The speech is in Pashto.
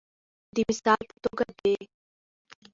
د مثال په توګه د